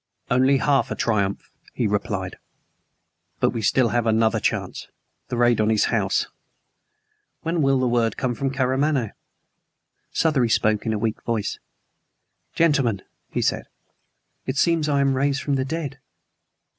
"Only half a triumph," he replied. "But we still have another chance the raid on his house. When will the word come from Karamaneh?" Southery spoke in a weak voice. "Gentlemen," he said, "it seems I am raised from the dead."